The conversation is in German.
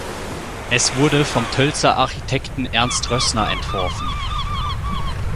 Es wurde vom Tölzer Architekten Ernst Rössner entworfen.